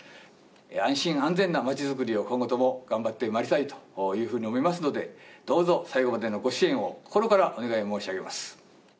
安心安全な街づくりを今後とも頑張っていきたいと考えておりますのでどうぞ最後までのご支援を心からお願い申し上げます。